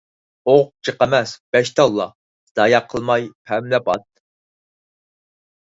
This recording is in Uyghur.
ئوق جىق ئەمەس، بەش تاللا . زايە قىلماي پەملەپ ئات .